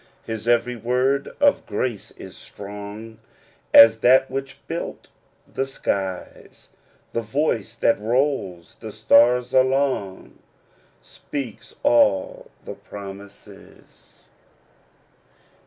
His very word of grace is strong As that which built the skies ; The voice that rolls the stars along Speaks all the promises."